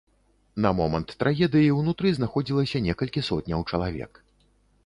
На момант трагедыі ўнутры знаходзілася некалькі сотняў чалавек.